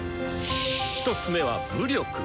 １つ目は「武力」。